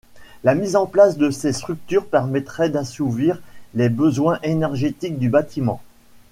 La mise en place de ces structures permettrait d’assouvir les besoins énergétique du bâtiment.